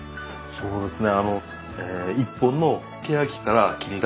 そうですね。